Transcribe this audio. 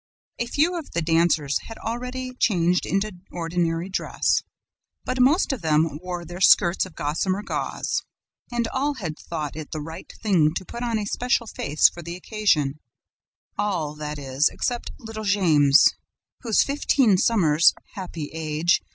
A few of the dancers had already changed into ordinary dress; but most of them wore their skirts of gossamer gauze; and all had thought it the right thing to put on a special face for the occasion: all, that is, except little Jammes, whose fifteen summers happy age!